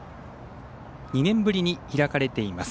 ２年ぶりに開かれています。